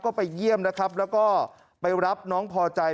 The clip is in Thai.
ก็ไปเยี่ยมนะครับแล้วก็ไปรับน้องพอใจ